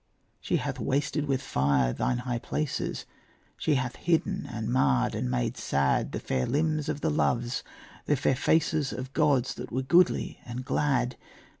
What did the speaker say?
She hath wasted with fire thine high places, She hath hidden and marred and made sad The fair limbs of the Loves, the fair faces Of gods that were goodly and glad.